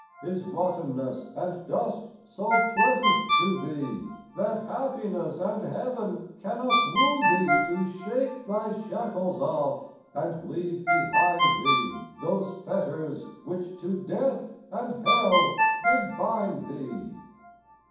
Is rottennesse And dust so pleasant to thee, That happinesse And heaven cannot wooe thee To shake thy shackles off, and leave behind thee Those fetters, which to death and hell did bind thee